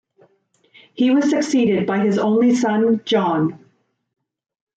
He was succeeded by his only son, John.